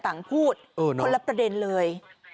ต่างพูดคนละประเด็นเลย